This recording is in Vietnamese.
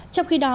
trong khi đó